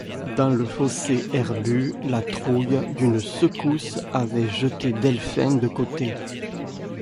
Dans le fossé herbu, la Trouille, d’une secousse, avait jeté Delphin de côté.